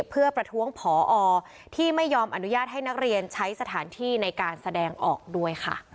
เพื่อประท้วงผอที่ไม่ยอมอนุญาตให้นักเรียนใช้สถานที่ในการแสดงออกด้วยค่ะ